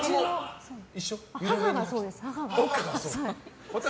母がそうです。